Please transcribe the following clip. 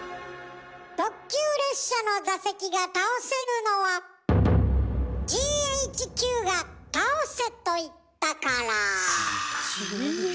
特急列車の座席が倒せるのはＧＨＱが倒せと言ったから。